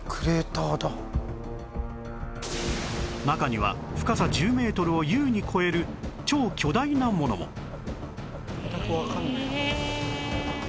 中には深さ１０メートルを優に超える超巨大なものもええ！